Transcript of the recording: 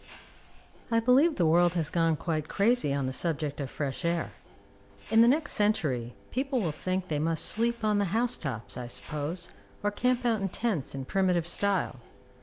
4. I believe the world has gone quite crazy on the subject of fresh air. In the next century people will think they must sleep on the house tops, I suppose, or camp out in tents in primitive style.